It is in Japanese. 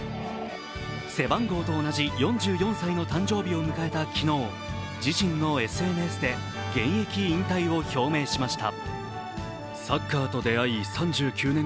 背番号と同じ４４歳の誕生日を迎えた昨日、自身のＳＮＳで現役引退を表明しました。